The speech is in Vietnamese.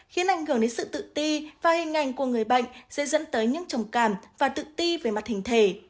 khiến ảnh hưởng đến sự tự ti và hình ảnh của người bệnh sẽ dẫn tới những trầm cảm và tự ti về mặt hình thể